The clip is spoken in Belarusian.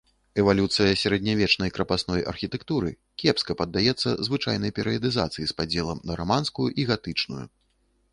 Эвалюцыя сярэднявечнай крапасной архітэктуры кепска паддаецца звычайнай перыядызацыі з падзелам на раманскую і гатычную.